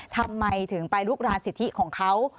ทำไมถึงไปลุกรานสิทธิของเขา